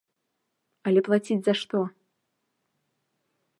Але плаціць за што?